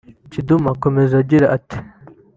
Kidumu akomeza agira ati